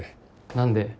何で？